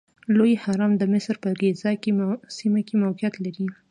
لوی هرم د مصر په ګیزا سیمه کې موقعیت لري.